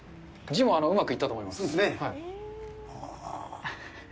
字も、うまくいったと思います。